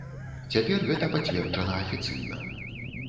Цяпер гэта пацверджана афіцыйна.